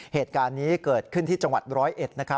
เหตุการณ์นี้เกิดขึ้นที่จังหวัดรเอ็ด